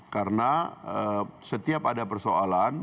karena setiap ada persoalan